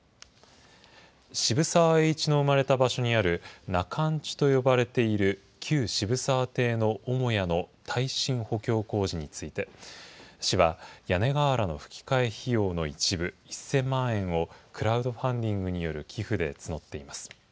渋沢栄一の生まれた場所にある中の家と呼ばれている旧渋沢邸の母屋の耐震補強工事について、市は屋根瓦のふき替え費用の一部１０００万円をクラウドファンディングによる寄付で募っています。